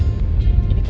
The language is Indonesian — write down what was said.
udah dong ma